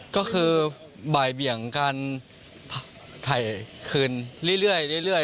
ก็คือบ่ายเบี่ยงการถ่ายคืนเรื่อยเรื่อยเรื่อยเรื่อย